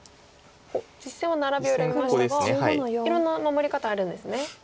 実戦はナラビを選びましたがいろんな守り方あるんですね。